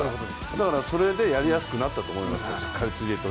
だからそれでやりやすくなったと思いますよ。